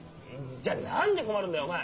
じゃあ何で困るんだよお前！